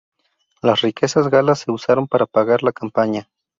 Las riquezas galas se usaron para pagar la campaña.